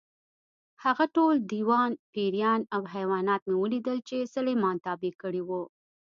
هغه ټول دیوان، پېریان او حیوانات مې ولیدل چې سلیمان تابع کړي وو.